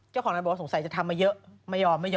เจ้าของร้านบอกว่าสงสัยจะทำมาเยอะ